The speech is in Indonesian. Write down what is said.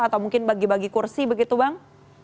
atau mungkin bagi bagi kursi begitu bang